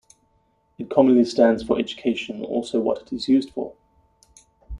It commonly stands for education, also what it is used for.